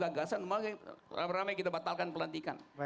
gagasan makanya ramai ramai kita batalkan pelantikan